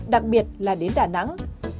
đặc biệt là đến đà nẵng